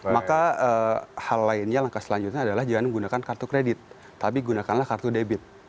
maka hal lainnya langkah selanjutnya adalah jangan menggunakan kartu kredit tapi gunakanlah kartu debit